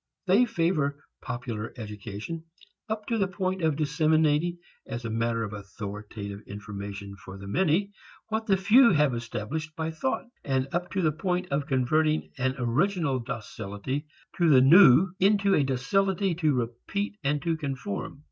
They favor popular education up to the point of disseminating as matter of authoritative information for the many what the few have established by thought, and up to the point of converting an original docility to the new into a docility to repeat and to conform.